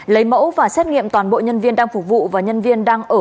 lấy mẫu và xét nghiệm toàn bộ nhân viên đang phục vụ và nhân viên đang ở